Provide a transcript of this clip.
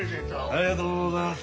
ありがとうございます。